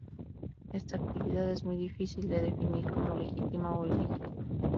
Esta actividad es muy difícil de definir como legítima o ilegítima.